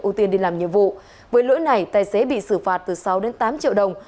ưu tiên đi làm nhiệm vụ với lỗi này tài xế bị xử phạt từ sáu tám triệu đồng